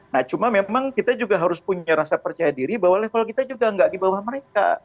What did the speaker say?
nah cuma memang kita juga harus punya rasa percaya diri bahwa level kita juga nggak di bawah mereka